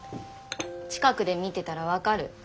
近くで見てたら分かる。